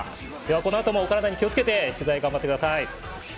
このあともお体に気をつけて取材を頑張ってください。